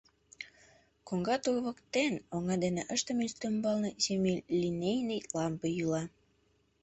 Коҥга тур воктен, оҥа дене ыштыме ӱстембалне, «семилинейный» лампе йӱла.